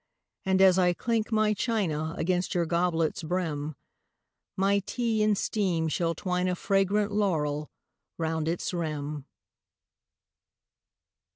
And, as I clink my china Against your goblet's brim, My tea in steam shall twine a Fragrant laurel round its rim.